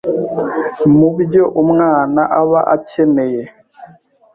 Mu byo umwana aba akeneye